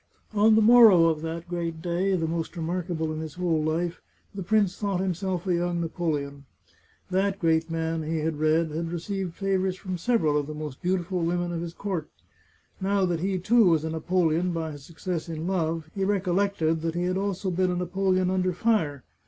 On the morrow of that great day, the most remarkable in his whole life, the prince thought himself a young Na poleon. That great man, he had read, had received favours from several of the most beautiful women of his court. Now that he too was a Napoleon by his success in love, he recol lected that he had also been a Napoleon under fire.